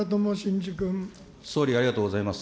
総理、ありがとうございます。